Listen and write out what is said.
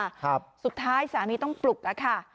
ครับสุดท้ายสามีต้องปลุกอะค่ะ